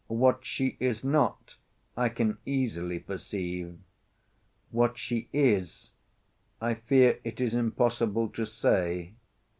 What she is not, I can easily perceive—what she is I fear it is impossible to say.